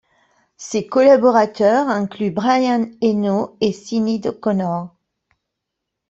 Ses collaborateurs incluent Brian Eno et Sinéad O'Connor.